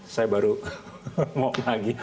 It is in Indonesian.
saya baru mau lagi